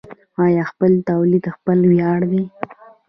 آیا خپل تولید خپل ویاړ دی؟